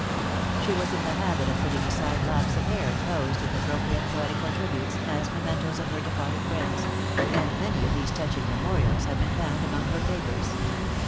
She was in the habit of putting aside locks of hair enclosed with appropriate poetical tributes, as mementoes of her departed friends; and many of these touching memorials have been found among her papers.